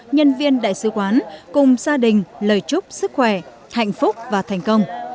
nhân viên đại sứ quán cùng gia đình lời chúc sức khỏe hạnh phúc và thành công